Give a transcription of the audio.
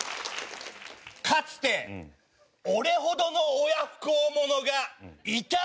かつて俺ほどの親不孝者がいたであろうか？